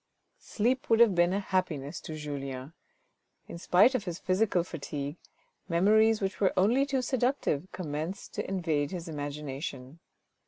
Sleep would have been a happiness to Julien. In spite of his physical fatigue, memories which were only too seductive commenced to invade his imagination.